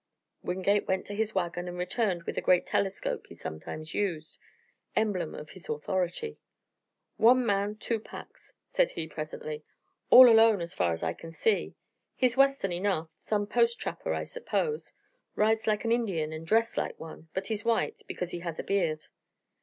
Wingate went to his wagon and returned with the great telescope he sometimes used, emblem of his authority. "One man, two packs," said he presently. "All alone so far as I can see. He's Western enough some post trapper, I suppose. Rides like an Indian and dressed like one, but he's white, because he has a beard."